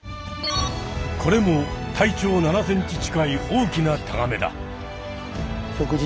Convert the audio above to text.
これも体長７ｃｍ近い大きなタガメだ。